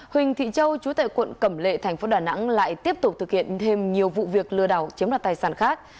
huỳnh thị châu chú tệ quận cẩm lệ tp đà nẵng lại tiếp tục thực hiện thêm nhiều vụ việc lừa đảo chiếm loạt tài sản khác